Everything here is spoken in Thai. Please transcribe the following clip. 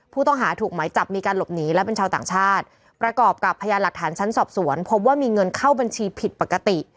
ผู้ต้องหาถูกหมายจับมีการหลบหนีและเป็นชาวต่างชาติประกอบกับพยานหลักฐานชั้นสอบสวนพบว่ามีเงินเข้าบัญชีผิดปกติ